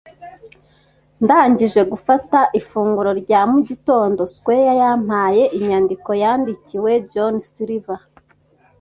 Ndangije gufata ifunguro rya mugitondo squire yampaye inyandiko yandikiwe John Silver,